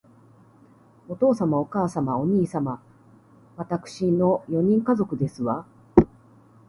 お父様、お母様、お兄様、わたくしの四人家族ですわ